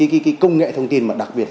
cái công nghệ thông tin mà đặc biệt